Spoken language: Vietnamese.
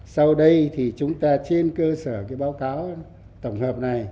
sau đây thì chúng ta trên cơ sở cái báo cáo tổng hợp này